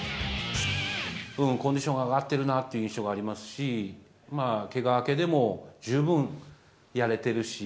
コンディションが上がってるなっていう印象がありますし、けが明けでも十分、やれてるし。